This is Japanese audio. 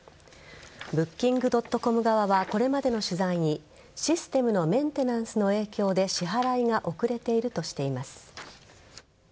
ブッキングドットコム側はこれまでの取材にシステムのメンテナンスの影響で支払いが遅れているとしています。